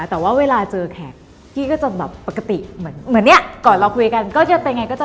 ก็อาจจะตกใจแปลว่า